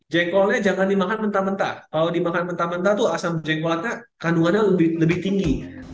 jengkolnya jangan dimakan mentah mentah kalau dimakan mentah mentah tuh asam jengkota kandungannya lebih tinggi